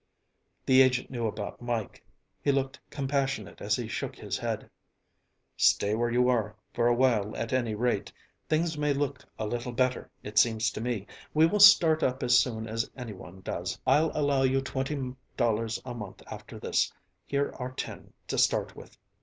The agent knew about Mike; he looked compassionate as he shook his head. "Stay where you are, for a while at any rate. Things may look a little better, it seems to me. We will start up as soon as anyone does. I'll allow you twenty dollars a month after this; here are ten to start with.